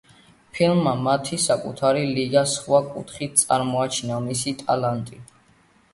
ფილმმა „მათი საკუთარი ლიგა“ სხვა კუთხით წარმოაჩინა მისი ტალანტი.